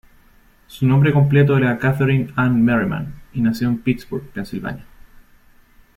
Su nombre completo era Katherine Ann Merriman, y nació en Pittsburgh, Pensilvania.